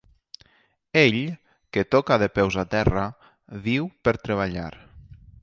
Ell, que toca de peus a terra, viu per treballar.